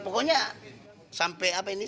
pokoknya sampai apa ini